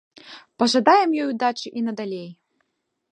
Пажадаем ёй удачы і надалей!